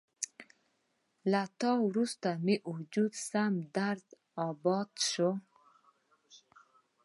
له تا وروسته مې وجود سم درداباد شو